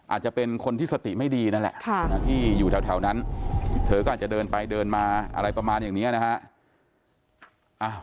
อาจจะเป็นคนที่สติไม่ดีนั่นแหละที่อยู่แถวนั้นเธอก็อาจจะเดินไปเดินมาอะไรประมาณอย่างนี้นะฮะ